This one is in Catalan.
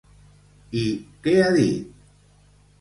I què ha dit?